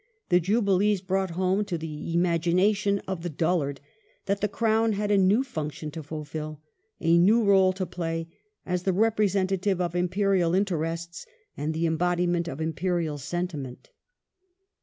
The Jubilees brought home to the imagination of the dullai'd that the Crown had a new function to fulfil, a new role to play, as the re presentative of Imperial interests and the embodiment of Imperial sentiment.